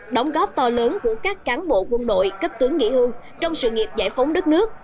đóng góp to lớn của các cán bộ quân đội cấp tướng nghỉ hưu trong sự nghiệp giải phóng đất nước